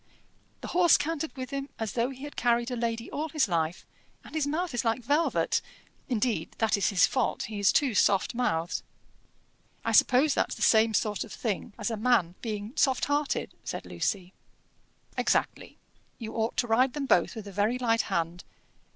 "The horse cantered with him as though he had carried a lady all his life, and his mouth is like velvet; indeed, that is his fault he is too soft mouthed." "I suppose that's the same sort of thing as a man being soft hearted," said Lucy. "Exactly: you ought to ride them both with a very light hand.